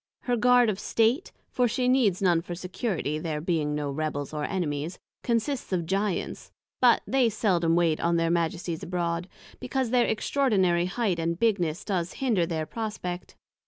Her Guard of State (for she needs none for security, there being no Rebels or Enemies) consists of Giants, but they seldom wait on their Majesties abroad, because their extraordinary height and bigness does hinder their prospect.